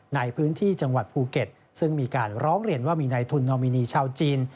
ในพื้นที่จังหวัดภูเก็ตซึ่งมีการร้องเรียนว่ามีในทุนนอมินีชาวจีน